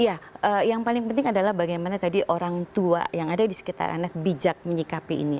iya yang paling penting adalah bagaimana tadi orang tua yang ada di sekitar anak bijak menyikapi ini